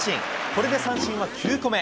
これで三振は９個目。